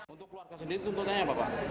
untuk keluarga sendiri tuntutnya apa